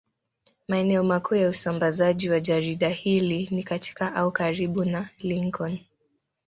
Maeneo makuu ya usambazaji wa jarida hili ni katika au karibu na Lincoln.